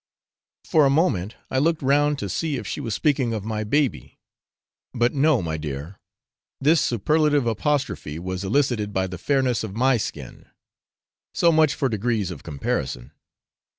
For a moment I looked round to see if she was speaking of my baby; but no, my dear, this superlative apostrophe was elicited by the fairness of my skin so much for degrees of comparison.